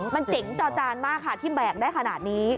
มันเจ๋งจอจานมากค่ะที่แบกได้ขนาดนี้